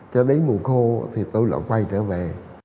cho đến mùa khô thì tôi lại quay trở về